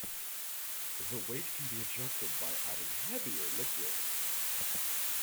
The weight can be adjusted by adding heavier liquid.